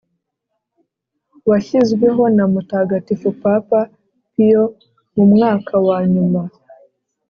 washyizweho na mutagatifu papa piyo mu mwaka wa nyuma